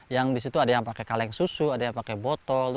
yang di situ ada yang pakai kaleng susu ada yang pakai botol